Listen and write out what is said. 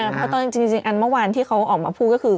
เพราะตอนจริงอันเมื่อวานที่เขาออกมาพูดก็คือ